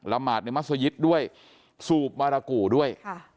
หมาดในมัศยิตด้วยสูบมารากูด้วย